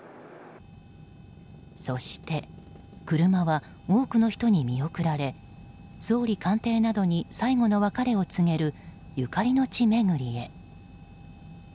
そして、車は多くの人に見送られ総理官邸などに最後の別れを告げるゆかりの地巡りへ。